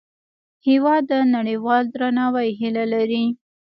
هېواد د نړیوال درناوي هیله لري.